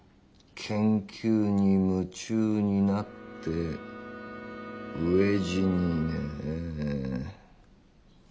研究に夢中になって飢え死にねェ。